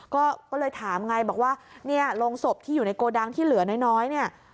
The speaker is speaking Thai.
ก็เลยถามไงบอกว่าเนี่ยโรงศพที่อยู่ในโกดังที่เหลือน้อยเนี่ย